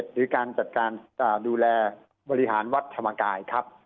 หรือการจัดการดูแลบริหารวัดธรรมกายครับ